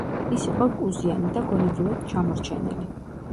ის იყო კუზიანი და გონებრივად ჩამორჩენილი.